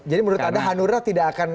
jadi menurut anda hanura tidak akan